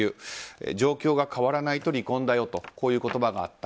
状況が変わらないと離婚だよとこういう言葉があった。